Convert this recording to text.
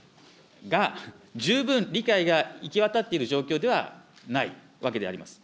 が、十分理解が行き渡っている状況ではないわけであります。